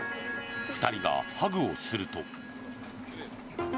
２人がハグをすると。